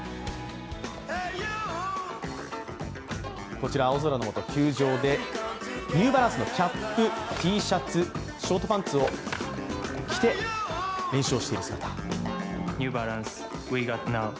こちら青空の下、球場でニューバランスのキャップ、Ｔシャツ、ショートパンツを着て練習をしています。